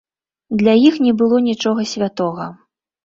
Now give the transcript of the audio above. Для іх не было нічога святога.